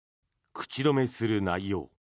口止めする内容。